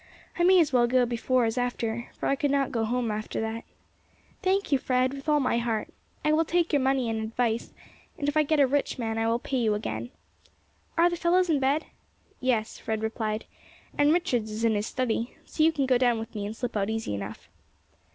"I may as well go before as after, for I could not go home after that. Thank you, Fred, with all my heart; I will take your money and advice, and if I get a rich man I will pay you again. Are the fellows in bed?" "Yes," Fred replied, "and Richards is in his study, so you can go down with me and slip out easy enough."